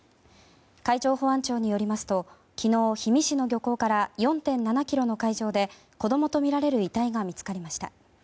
海上保安庁によりますと昨日、氷見市の漁港から４．７ｋｍの海上で子供とみられる遺体が見つかりました。